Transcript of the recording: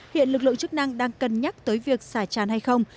hiện lực lượng chức năng đang cân nhắc tới việc xả tràn hay không